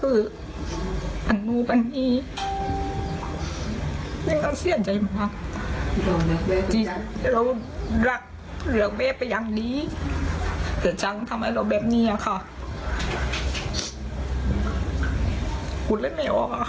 เรารักเลือกบ้าเป็นอย่างดีเหมือนช้างทำให้เราแบบนี้ค่ะ